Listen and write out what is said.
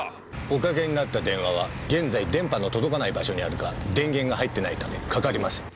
おかけになった電話は現在電波の届かない場所にあるか電源が入ってないためかかりません。